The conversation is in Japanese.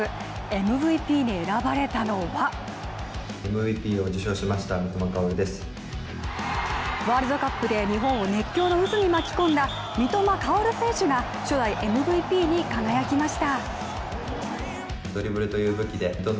ＭＶＰに選ばれたのはワールドカップで日本を熱狂の渦に巻き込んだ三笘薫選手が初代ＭＶＰに輝きました。